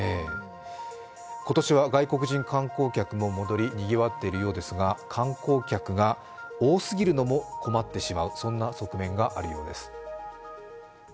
今年は外国人観光客も戻りにぎわっているようですが観光客が多すぎるのも困ってしまうそんな側面があるようです。